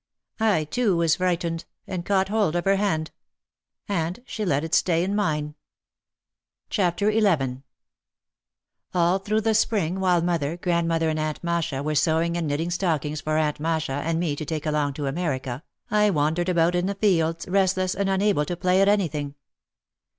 I, too, was frightened, and caught hold of her hand. And she let it stay in mine. OUT OF THE SHADOW 41 XI All through the Spring, while mother, grandmother and Aunt Masha were sewing and knitting stockings for Aunt Masha and me to take along to America, I wan dered about in the fields, restless and unable to play at anything.